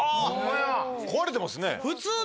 壊れてますね。